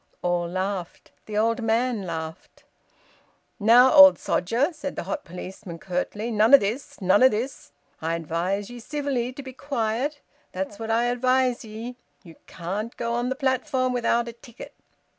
All laughed. The old man laughed. "Now, old sodger," said the hot policeman curtly. "None o' this! None o' this! I advise ye civilly to be quiet; that's what I advise ye. You can't go on th' platform without a ticket."